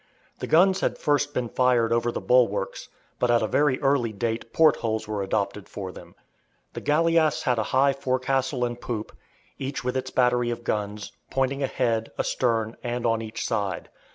The guns had first been fired over the bulwarks, but at a very early date port holes were adopted for them. The galleass had a high forecastle and poop, each with its battery of guns, pointing ahead, astern, and on each side.